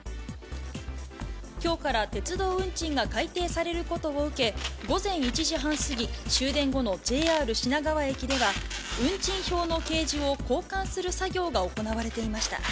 きょうから鉄道運賃が改定されることを受け、午前１時半過ぎ、終電後のＪＲ品川駅では、運賃表の掲示を交換する作業が行われていました。